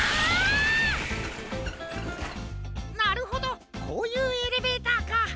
なるほどこういうエレベーターか。